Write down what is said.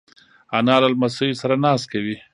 انا له لمسیو سره ناز کوي